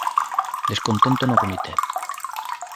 Descontento no comité.